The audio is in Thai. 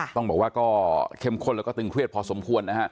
ต้องบอกว่าก็เข็มข้นและตึงเครื่องประเภทพอสมควร